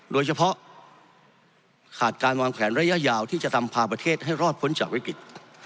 โดยเฉพาะขาดการวางแผนระยะยาวที่จะทำพาประเทศให้รอดพ้นจากวิกฤต